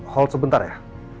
tunggu sebentar ya